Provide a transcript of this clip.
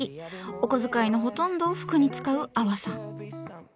お小遣いのほとんどを服に使うアワさん。